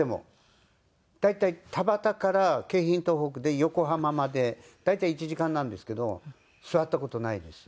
大体田端から京浜東北で横浜まで大体１時間なんですけど座った事ないです。